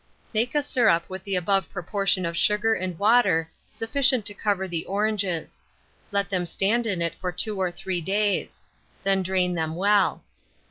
Make a syrup with the above proportion of sugar and water, sufficient to cover the oranges; let them stand in it for 2 or 3 days; then drain them well.